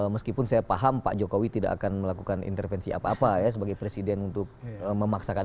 meskipun saya paham pak jokowi tidak akan melakukan intervensi apa apa ya sebagai presiden untuk memaksakan